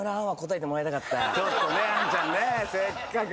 ちょっとアンちゃんせっかく。